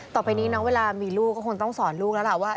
ต่อไปนี้นะเวลามีลูกก็คงต้องสอนลูกแล้วล่ะว่า